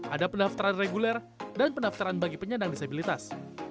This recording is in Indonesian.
ada pendaftaran reguler dan pendaftaran bagi penyandang disabilitas